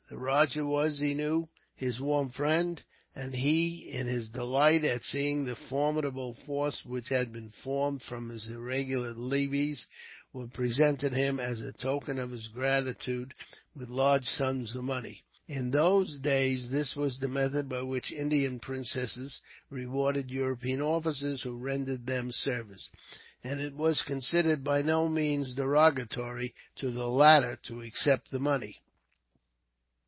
The rajah was, he knew, his warm friend; and he, in his delight at seeing the formidable force which had been formed from his irregular levies, had presented him, as a token of his gratitude, with large sums of money. In those days, this was the method by which Indian princes rewarded European officers who rendered them service, and it was considered by no means derogatory to the latter to accept the money.